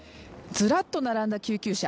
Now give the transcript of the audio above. ずらっと並んだ救急車。